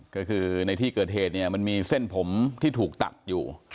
ก็คือในที่เกิดเหตุเนี่ยมันมีเส้นผมที่ถูกตัดอยู่